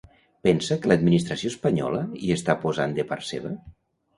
Pensa que l'administració espanyola hi està posant de part seva?